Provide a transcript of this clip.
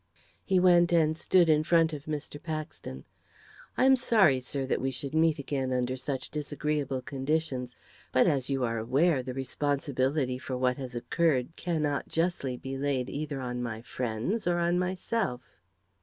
He went and stood in front of Mr. Paxton. "I am sorry, sir, that we should meet again under such disagreeable conditions; but, as you are aware, the responsibility for what has occurred cannot, justly, be laid either on my friends or on myself."